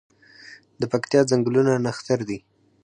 د پکتیا ځنګلونه نښتر دي